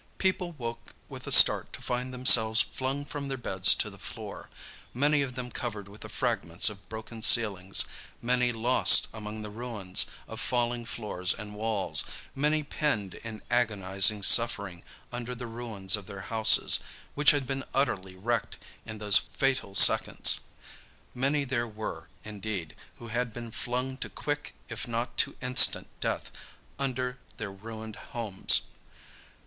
People woke with a start to find themselves flung from their beds to the floor, many of them covered with the fragments of broken ceilings, many lost among the ruins of falling floors and walls, many pinned in agonizing suffering under the ruins of their houses, which had been utterly wrecked in those fatal seconds. Many there were, indeed, who had been flung to quick if not to instant death under their ruined homes.